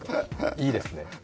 いいですね。